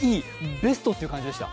ベストっていう感じでした。